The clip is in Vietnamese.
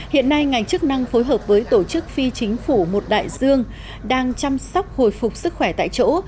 hiện nay ngành chức năng phối hợp với tổ chức phi chính phủ một đại dương đang chăm sóc hồi phục sức khỏe tại chỗ